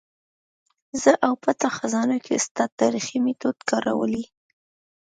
زه او پټه خزانه کې استاد تاریخي میتود کارولی.